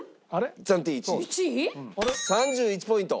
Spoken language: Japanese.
３１ポイント。